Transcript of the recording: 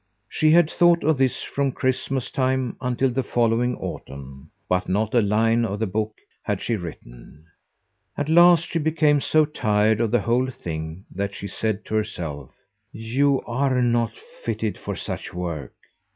She had thought of this from Christmas time until the following autumn; but not a line of the book had she written. At last she became so tired of the whole thing that she said to herself: "You are not fitted for such work.